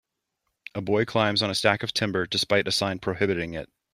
A boy climbs on a stack of timber despite a sign prohibiting it.